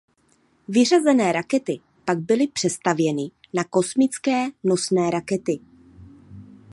Vyřazené rakety pak byly přestavěny na kosmické nosné rakety.